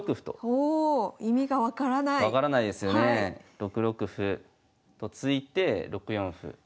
６六歩と突いて６四歩。